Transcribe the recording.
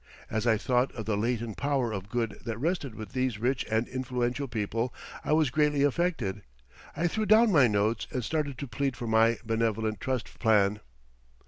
As I thought of the latent power of good that rested with these rich and influential people I was greatly affected. I threw down my notes and started to plead for my Benevolent Trust plan.